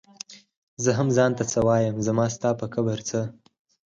زۀ هم ځان ته څۀ وايم زما ستا پۀ کبر څۀ